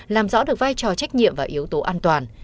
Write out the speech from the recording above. làm rõ được vai trò trách nhiệm và yếu tố an toàn